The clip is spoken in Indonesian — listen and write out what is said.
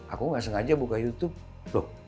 aku gak sengaja buka youtube